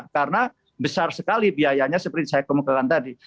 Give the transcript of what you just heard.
karena besar sekali biayanya seperti saya kemukakan tadi